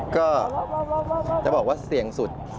ก็จะบอกว่าเสี่ยงสุด